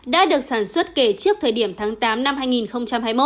đã được sản xuất kể trước thời điểm tháng tám năm hai nghìn hai mươi một